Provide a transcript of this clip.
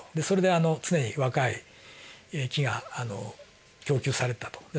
それで常に若い木が供給されたと。